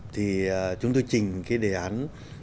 thì chúng tôi chỉnh cái đề án